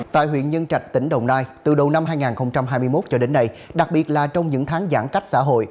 tại huyện nhân trạch tỉnh đồng nai từ đầu năm hai nghìn hai mươi một cho đến nay đặc biệt là trong những tháng giãn cách xã hội